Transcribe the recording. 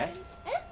えっ？